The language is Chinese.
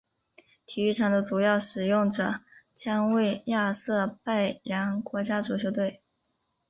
体育场的主要使用者将为亚塞拜然国家足球队。